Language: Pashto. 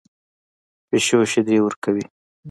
پیشو شیدې ورکوي